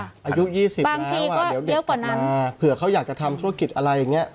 อ่ะอายุยี่สิบแล้วเด็กกลับมาเผื่อเขาอยากจะทำธุรกิจอะไรอย่างเงี้ย